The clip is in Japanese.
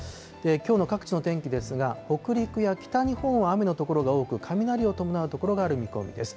きょうの各地の天気ですが、北陸や北日本は雨の所が多く、雷を伴う所がある見込みです。